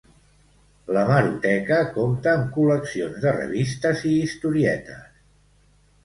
L'hemeroteca compta amb col·leccions de revistes i historietes.